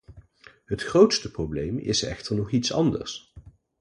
Het grootste probleem is echter nog iets anders.